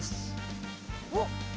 おっ。